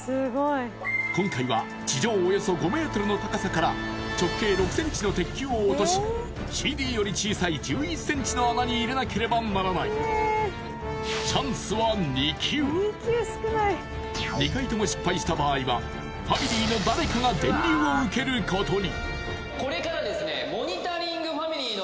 今回は地上およそ５ｍの高さから直径６ｃｍの鉄球を落としＣＤより小さい１１ｃｍの穴に入れなければならない２回とも失敗した場合はファミリーの誰かが電流を受けることに！